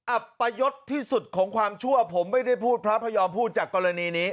อัปยศที่สุดของความชั่วผมไม่ได้พูดพระพยอมพูดจากกรณีนี้